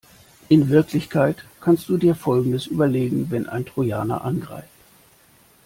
In Wirklichkeit kannst du dir folgendes überlegen wenn ein Trojaner angreift.